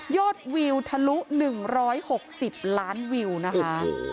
วิวทะลุ๑๖๐ล้านวิวนะคะ